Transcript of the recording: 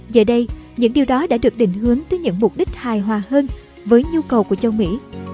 giờ đây những điều đó đã được định hướng tới những mục đích hài hòa hơn với nhu cầu của châu mỹ